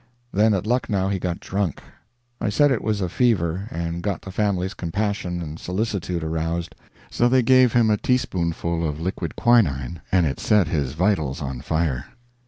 Then at Lucknow he got drunk. I said it was a fever, and got the family's compassion, and solicitude aroused; so they gave him a teaspoonful of liquid quinine and it set his vitals on fire.